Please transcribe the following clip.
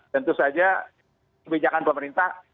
tentu saja kebijakan pemerintah